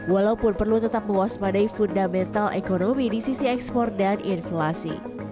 walaupun perlu tetap mewaspadai fundamental ekonomi di sisi ekspor dan inflasi